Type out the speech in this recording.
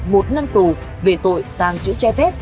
một năm tù về tội tàng chuỗi trái phép